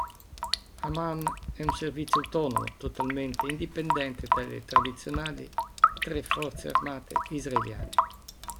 Aman è un servizio autonomo, totalmente indipendente dalle tradizionali tre forze armate israeliane.